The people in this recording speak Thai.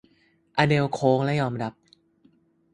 อเดลล์โค้งและยอมรับ